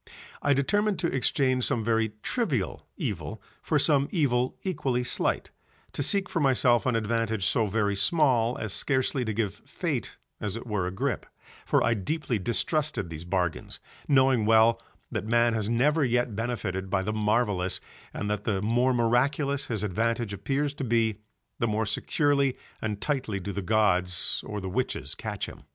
I determined to exchange some very trivial evil for some evil equally slight, to seek for myself an advantage so very small as scarcely to give Fate as it were a grip, for I deeply distrusted these bargains, knowing well that man has never yet benefited by the marvellous and that the more miraculous his advantage appears to be the more securely and tightly do the gods or the witches catch him.